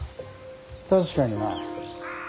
確かにな。